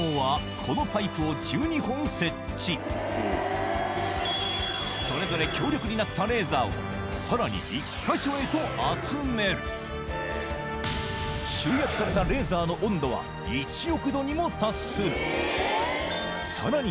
設置それぞれ強力になったレーザーをさらに１カ所へと集める集約されたレーザーの温度はにも達するさらに